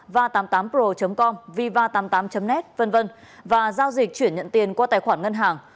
và tám mươi tám pro com viva tám mươi tám net v v và giao dịch chuyển nhận tiền qua tài khoản ngân hàng